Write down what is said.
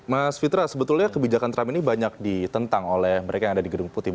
mas fitra sebetulnya kebijakan trump ini banyak ditentang oleh mereka yang ada di gedung putih